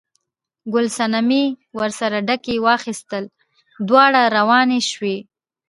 ګل صنمې ورسره ډکي واخیستل، دواړه روانې شوې.